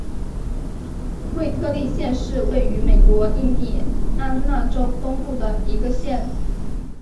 惠特利县是位于美国印第安纳州东北部的一个县。